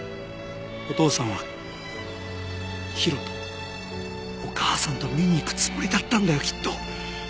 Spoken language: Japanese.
お父さんはヒロとお母さんと見に行くつもりだったんだよきっと！